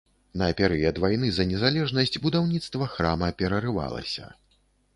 На перыяд вайны за незалежнасць будаўніцтва храма перарывалася.